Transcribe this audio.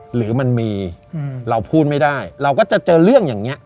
หรือมันมีเราพูดไม่ได้เราก็จะเจอเรื่องอย่างนี้